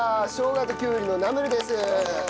生姜ときゅうりのナムルです！